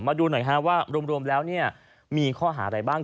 มาดูหน่อยว่ารวมแล้วมีข้อหาอะไรบ้าง